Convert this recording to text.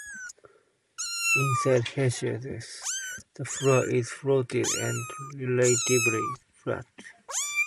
Inside Hesiodus, the floor is flooded and relatively flat.